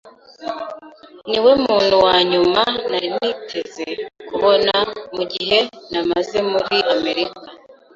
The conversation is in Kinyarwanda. Niwe muntu wa nyuma nari niteze kubona mugihe namaze muri Amerika.